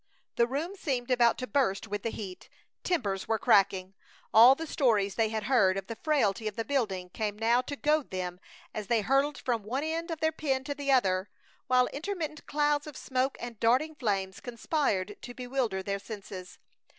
The room seemed about to burst with the heat. Timbers were cracking. All the stories they had heard of the frailty of the building came now to goad them as they hurtled from one end of their pen to the other, while intermittent clouds of smoke and darting flames conspired to bewilder their senses.